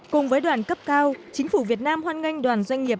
cùng với đoàn cấp cao chính phủ việt nam hoan nghênh đoàn doanh nghiệp